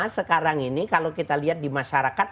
sekarang ini kalau kita lihat di masyarakat